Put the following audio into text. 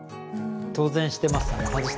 当然してますね